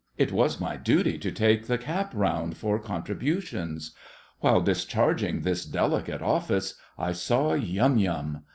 It was my duty to take the cap round for contributions. While discharging this delicate office, I saw Yum Yum.